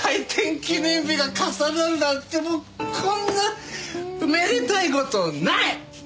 記念日が重なるなんてもうこんなめでたい事ない！